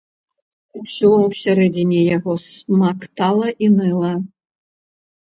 Усё ўсярэдзіне яго смактала і ныла.